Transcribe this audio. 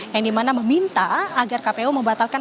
yang dimana meminta agar kpu membatalkan